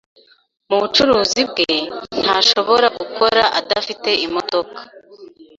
Mubucuruzi bwe, ntashobora gukora adafite imodoka.